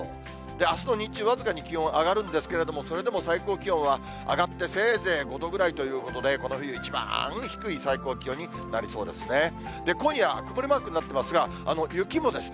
あすの日中、僅かに気温上がるんですけれども、それでも最高気温は上がってせいぜい５度ぐらいということで、この冬一番低い最高気温になりそうですね。